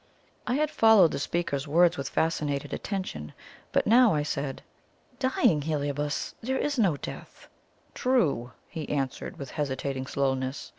I had followed the speaker's words with fascinated attention, but now I said: "Dying, Heliobas? There is no death." "True!" he answered, with hesitating slowness.